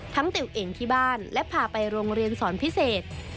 ติวเองที่บ้านและพาไปโรงเรียนสอนพิเศษ